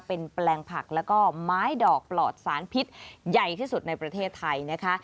เป็นแปลงผักแล้วก็ไม้ดอกปลอดสารพิษใหญ่ที่สุดในประเทศไทยนะคะ